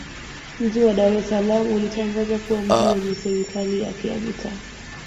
Mji wa Dar es Salaam ulitangazwa kuwa mji wenye Serikali yake ya Mitaa